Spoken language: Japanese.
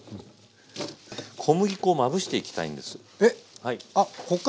小麦粉をまぶしていきたいんです。